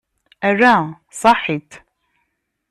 Ala, saḥit.